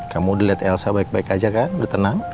kamu dilihat elsa baik baik aja kan udah tenang